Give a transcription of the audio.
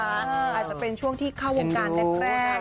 อาจจะเป็นช่วงที่เข้าวงการแรก